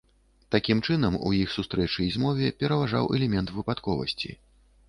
Такім чынам, у іх сустрэчы і змове пераважваў элемент выпадковасці.